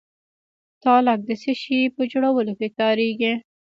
تالک د څه شي په جوړولو کې کاریږي؟